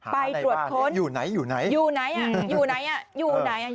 ไปตรวจค้นอยู่ไหนอยู่ไหนอยู่ไหนอยู่ไหนอยู่ไหนอยู่ไหน